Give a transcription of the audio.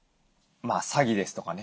詐欺ですとかね